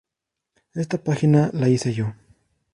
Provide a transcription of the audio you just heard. Esta página la hice yo.